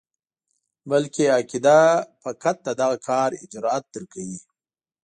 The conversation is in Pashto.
بلکې عقیده فقط د دغه کار جرأت درکوي.